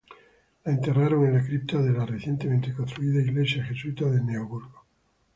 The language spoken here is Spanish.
La enterraron en la cripta de la recientemente construida iglesia jesuita de Neoburgo.